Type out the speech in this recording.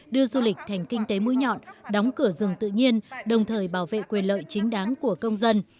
đưa du lịch thành kinh tế mũi nhọn đóng cửa rừng tự nhiên đồng thời bảo vệ quyền lợi chính đáng của công dân